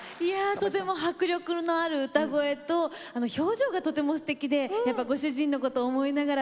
とても迫力のある歌声と表情がとても、すてきでご主人のことを思いながら